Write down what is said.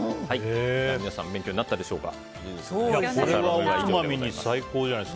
皆さん、勉強になったでしょうか。